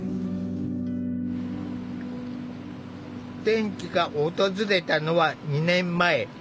転機が訪れたのは２年前。